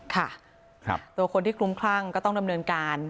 ตัวคนที่คุ้มขังก็ต้องดำเนินการ